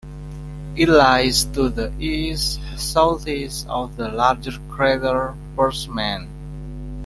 It lies to the east-southeast of the larger crater Fersman.